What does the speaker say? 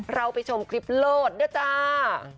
เราไปชมคลิปโลดด้วยจ้า